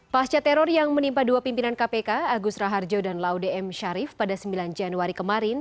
pasca teror yang menimpa dua pimpinan kpk agus raharjo dan laude m sharif pada sembilan januari kemarin